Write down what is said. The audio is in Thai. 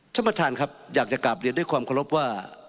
ท่านประธานครับอยากจะกลับเรียนด้วยความเคารพว่า